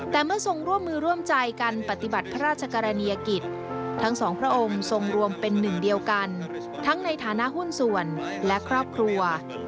แต่เมื่อทรงร่วมมือร่วมใจกันปฏิบัติพระราชกรณียกิจทั้งสองพระองค์ทรงรวมเป็นหนึ่งเดียวกันทั้งในฐานะหุ้นส่วนและครอบครัว